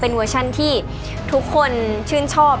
เวอร์ชันที่ทุกคนชื่นชอบ